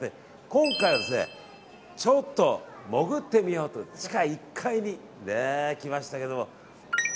今回は、ちょっと潜ってみようと地下１階に来ましたけど。